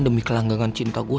demi kelanggangan cinta gue